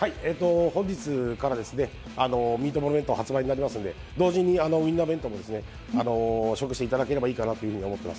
本日からミートボール弁当が発売になりますので同時にウインナー弁当も食していただければいいかなと思います。